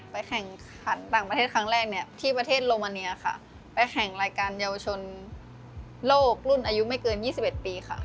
แข่งขันต่างประเทศครั้งแรกเนี่ยที่ประเทศโลมาเนียค่ะไปแข่งรายการเยาวชนโลกรุ่นอายุไม่เกิน๒๑ปีค่ะ